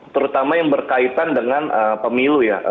terutama yang berkaitan dengan pemilu ya